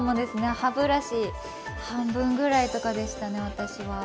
歯ブラシ半分ぐらいとかでしたね、私は。